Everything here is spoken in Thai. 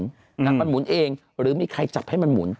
แต่มันหมุนเองหรือมีใครจับให้มันหมุน